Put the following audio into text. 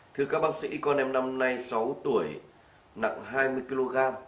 thưa các bác sĩ con em năm nay sáu tuổi nặng hai mươi kg